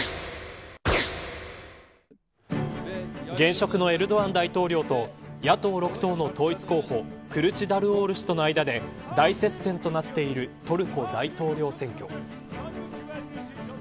現職のエルドアン大統領と野党６党の統一候補クルチダルオール氏との間で大接戦となっているトルコ大統領選挙。